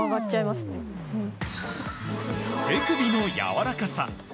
手首のやわらかさ。